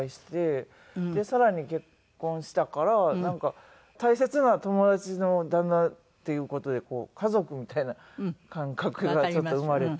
でさらに結婚したからなんか大切な友達の旦那っていう事で家族みたいな感覚がちょっと生まれて。